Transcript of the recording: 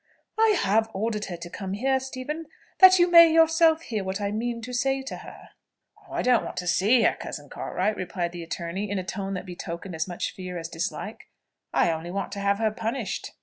"I have ordered her to come here, Stephen, that you may yourself hear what I mean to say to her." "I don't want to see her, cousin Cartwright," replied the attorney, in a tone that betokened as much fear as dislike; "I only want to have her punished."